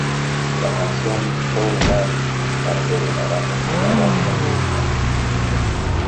La canción "Tall Men" es parte de la banda sonora de la película "Cindy".